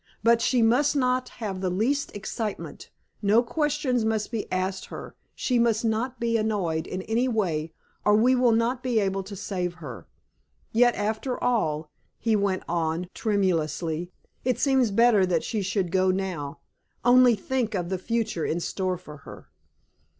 But she must not have the least excitement; no questions must be asked her; she must not be annoyed in any way, or we will not be able to save her. Yet, after all," he went on tremulously, "it seems better that she should go now. Only think of the future in store for her!"